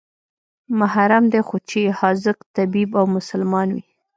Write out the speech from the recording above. محرم دى خو چې حاذق طبيب او مسلمان وي.